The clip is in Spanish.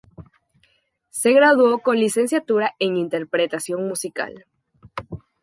Se graduó con una licenciatura en Interpretación Musical.